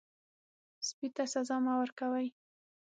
سپي ته سزا مه ورکوئ.